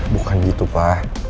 bukan gitu pa